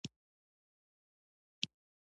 ایا زه کباب وخورم؟